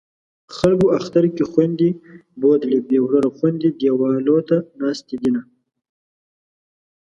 خلکو اختر کې خویندې بوتلې بې وروره خویندې دېواله ته ناستې دینه